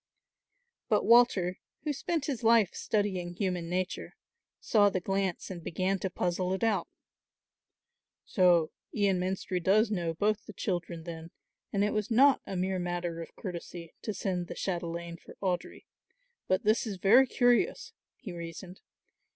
But Walter, who spent his life studying human nature, saw the glance and began to puzzle it out. "So Ian Menstrie does know both the children then and it was not a mere matter of courtesy to send the chatelaine for Audry. But this is very curious," he reasoned.